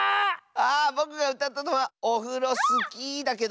あぼくがうたったのはオフロスキーだけど。